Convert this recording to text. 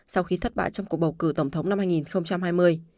sau khi thất bại trong cuộc bầu cử tổng thống năm hai nghìn hai mươi